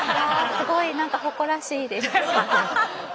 すごいなんか誇らしいです。